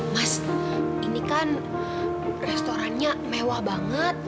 mas ini kan restorannya mewah banget